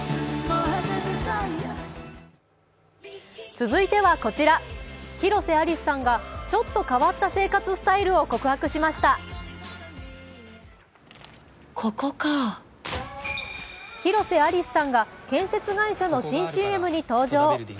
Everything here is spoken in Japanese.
続いてはこちら、広瀬アリスさんがちょっと変わった生活スタイルを告白しました広瀬アリスさんが建設会社の新ＣＭに登場。